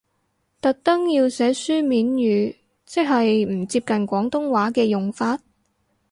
特登要寫書面語，即係唔接近廣東話嘅用法？